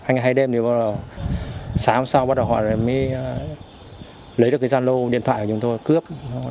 hai ngày hai đêm thì bắt đầu sáng hôm sau bắt đầu họ mới lấy được cái gia lô điện thoại của chúng tôi cướp